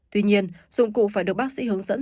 tuy nhiên dụng cụ phải được bác sĩ hướng dẫn